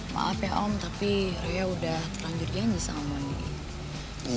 maaf ya om tapi raya udah terlanjur janji sama om mondi